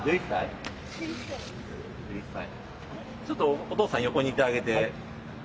ちょっとお父さん横にいてあげて。